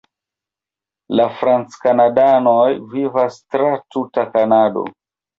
La franckanadanoj vivas tra tuta Kanado.